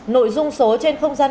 nội dung số trên không gian ba